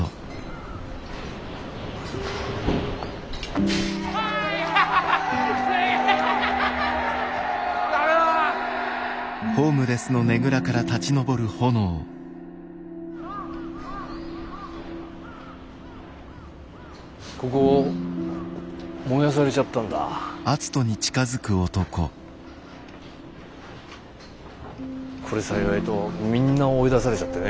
これ幸いとみんな追い出されちゃってねえ。